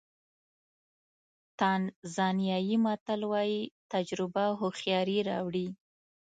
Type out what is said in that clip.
تانزانیایي متل وایي تجربه هوښیاري راوړي.